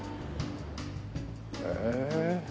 へえ。